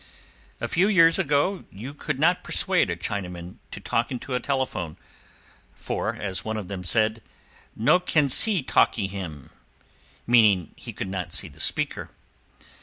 A few years ago you could not persuade a Chinaman to talk into a telephone, for, as one of them said, "No can see talkee him," meaning he could not see the speaker.